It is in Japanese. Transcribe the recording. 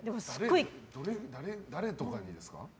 誰とかにですか？